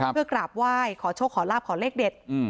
เพื่อกราบไหว้ขอโชคขอลาบขอเลขเด็ด